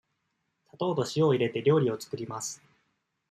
砂糖と塩を入れて、料理を作ります。